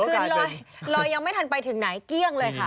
ลอยยังไม่ทันไปถึงไหนเกลี้ยงเลยค่ะ